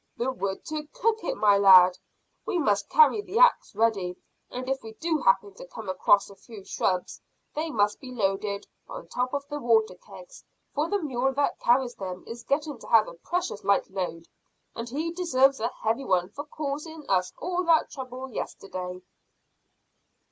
"The wood to cook it, my lad. We must carry the axe ready, and if we do happen to come across a few shrubs they must be loaded on top of the water kegs, for the mule that carries them is getting to have a precious light load, and he deserves a heavy one for causing us all that trouble yesterday."